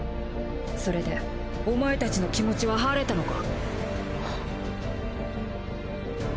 それでお前たちの気持ちは晴れたのか？